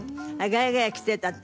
「ガヤガヤ来て」なんて。